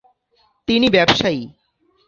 তিনি ব্যবসায়ী।